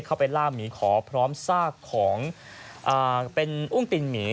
เข้าไปล่าหมีขอพร้อมซากของเป็นอุ้งตินหมี